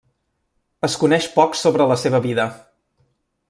Es coneix poc sobre la seva vida.